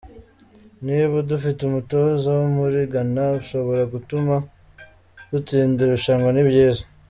Niba dufite umutoza wo muri Ghana ushobora gutuma dutsinda irushanwa, ni byiza.